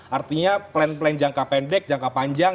artinya plan plan jangka pendek jangka panjang